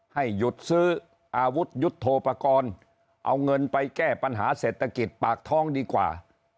ให้หยุดซื้ออาวุธยุทธโทปกรณ์เอาเงินไปแก้ปัญหาเศรษฐกิจปากท้องดีกว่า